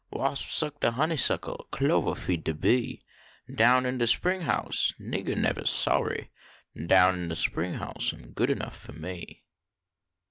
Wasp suck de honeysuckle, clovah feed fie bee. Down in de spring house niggah nevali worry Down in de spring house am good enuff fo me.